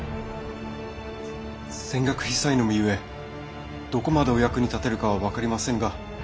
せ浅学非才の身ゆえどこまでお役に立てるかは分かりませぬが！